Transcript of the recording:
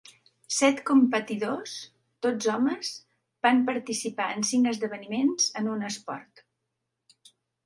Set competidors, tots homes, van participar en cinc esdeveniments en un esport.